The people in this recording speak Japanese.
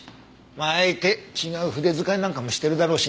まああえて違う筆遣いなんかもしてるだろうしね。